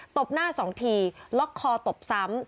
บหน้า๒ทีล็อกคอตบซ้ำ